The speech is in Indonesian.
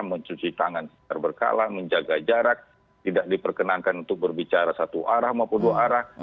mencuci tangan secara berkala menjaga jarak tidak diperkenankan untuk berbicara satu arah maupun dua arah